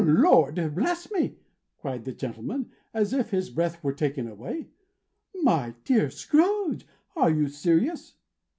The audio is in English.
"Lord bless me!" cried the gentleman, as if his breath were taken away. "My dear Mr. Scrooge, are you serious?"